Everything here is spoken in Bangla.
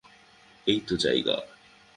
এই তো জায়গা।